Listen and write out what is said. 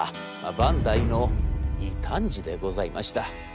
バンダイの異端児でございました。